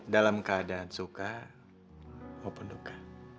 dalam keadaan suka maupun duka